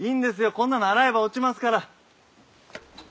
こんなの洗えば落ちますから。